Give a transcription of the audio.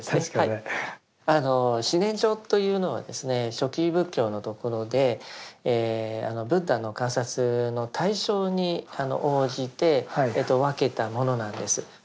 初期仏教のところでブッダの観察の対象に応じて分けたものなんです。